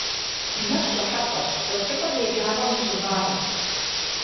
Мыр щӏыхьэпӏэщ, щӏэкӏыпӏэр еджапӏэм и щӏыбагъымкӏэщ.